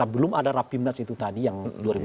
belum ada rapimnas itu tadi yang dua ribu sembilan belas